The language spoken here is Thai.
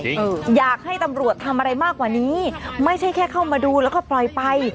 เอออยากให้ตำรวจทำอะไรมากกว่านี้ไม่ใช่แค่เข้ามาดูแล้วก็ปล่อยไป